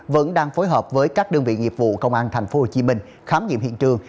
vẫn đang phối hợp với các đơn vị nghiệp vụ công an tp hcm khám nghiệm hiện trường